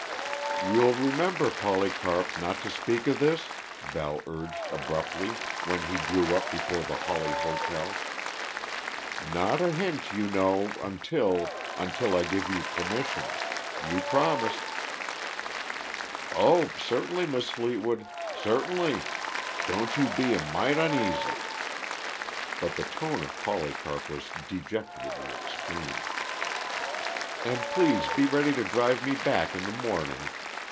"You'll remember, Polycarp, not to speak of this?" Val urged abruptly when he drew up before the Hawley Hotel. "Not a hint, you know until until I give you permission. You promised." "Oh, certainly, Mis' Fleetwood. Certainly. Don't you be a mite oneasy." But the tone of Polycarp was dejected in the extreme. "And please be ready to drive me back in the morning.